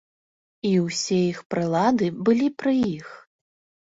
І ўсе іх прылады былі пры іх.